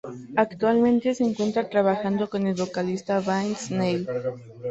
Actualmente se encuentra trabajando con el vocalista Vince Neil.